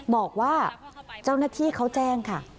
บอกว่าเจ้าหน้าที่เขาแจ้งค่ะ